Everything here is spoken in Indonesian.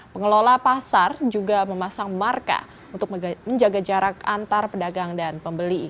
pengelola pasar juga memasang marka untuk menjaga jarak antar pedagang dan pembeli